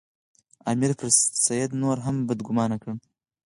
امیر پر سید نور هم بدګومانه کړ.